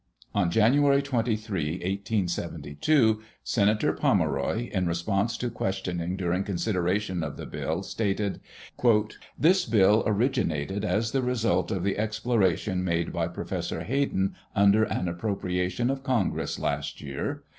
On January 23, 1872, Senator Pomeroy, in response to questioning during consideration of the bill, stated: "This bill originated as the result of the exploration made by Professor Hayden under an appropriation of Congress, last year.